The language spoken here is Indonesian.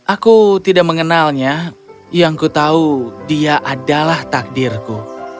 aku tidak mengenalnya yang ku tahu dia adalah takdirku